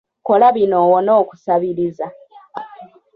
Kola bino owone okusabiriza.